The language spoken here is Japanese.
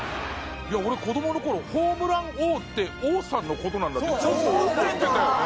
いや俺子どもの頃ホームラン王って王さんの事なんだってずっと思ってたよね。